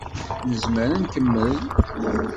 Nezmer ad nkemmel?